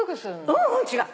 ううん違う！